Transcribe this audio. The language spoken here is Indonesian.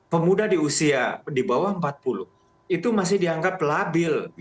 pemuda di usia di bawah empat puluh itu masih dianggap labil